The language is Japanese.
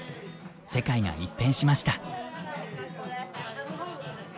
世界が一変しました。